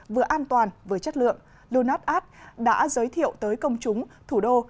vừa an toàn vừa chất lượng lunas art đã giới thiệu tới công chúng thủ đô